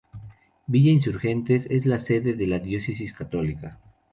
Villa Insurgentes es la sede de la diócesis católica.